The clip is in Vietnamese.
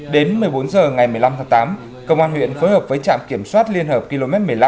đến một mươi bốn h ngày một mươi năm tháng tám công an huyện phối hợp với trạm kiểm soát liên hợp km một mươi năm